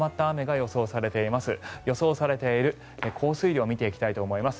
予想されている降水量を見ていきたいと思います。